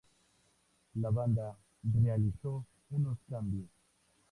La banda realizó unos cambios.